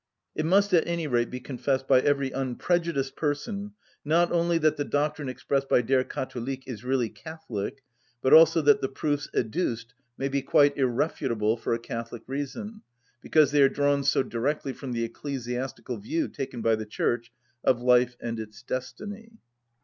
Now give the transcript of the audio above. It must at any rate be confessed by every unprejudiced person, not only that the doctrine expressed by 'Der Katholik' is really Catholic, but also that the proofs adduced may be quite irrefutable for a Catholic reason, because they are drawn so directly from the ecclesiastical view, taken by the Church, of life and its destiny."